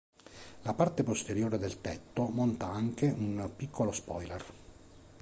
La parte posteriore del tetto monta anche un piccolo spoiler.